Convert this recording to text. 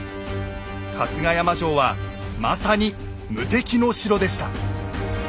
春日山城はまさに無敵の城でした。